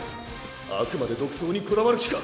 あくまで独走にこだわる気か今泉！